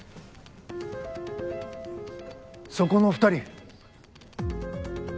そこの２人。